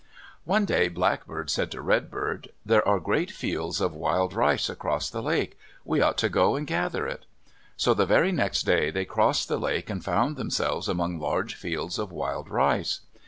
One day Blackbird said to Redbird, "There are great fields of wild rice across the lake. We ought to go and gather it." So the very next day they crossed the lake and found themselves among large fields of wild rice.